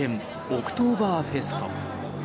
オクトーバーフェスト。